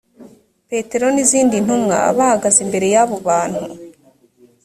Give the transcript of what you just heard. petero n’izindi ntumwa bahagaze imbere y’abo bantu